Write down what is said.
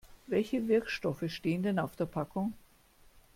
Welche Wirkstoffe stehen denn auf der Packung?